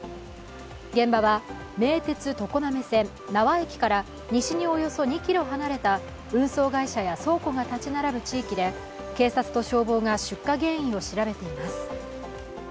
現場は名鉄常滑線名和駅から西におよそ２ｋｍ離れた運送会社や倉庫が建ち並ぶ地域で警察と消防が出火原因を調べています。